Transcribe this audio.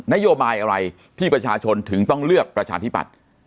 นโยบายอะไรที่ประชาชนถึงต้องเลือกประชาธิปัตย์